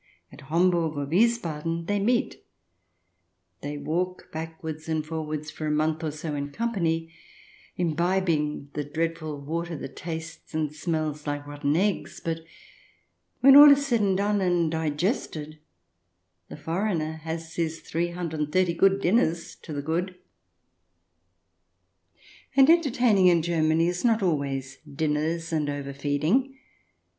At Homburg or Wiesbaden they meet, they walk backwards and forwards for a month or so in com pany, imbibing the dreadful water that tastes and smells like rotten eggsr but, when all is said and done and digested, the foreigner has his three hundred and thirty good dinners to the good 1 And entertaining in Germany is not always dinners and overfeeding.